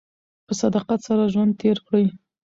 په صداقت سره ژوند تېر کړئ.